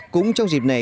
cũng trong dịp này